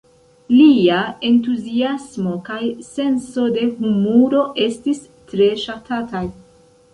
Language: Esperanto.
Lia entuziasmo kaj senso de humuro estis tre ŝatataj.